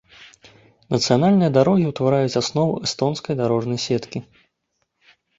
Нацыянальныя дарогі ўтвараюць аснову эстонскай дарожнай сеткі.